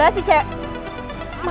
gue tuh kesini cuma gara gara sih kayak